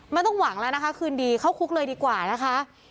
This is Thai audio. ไม่ต้องหวังแล้วนะคะคืนดีเข้าคุกเลยดีกว่านะคะ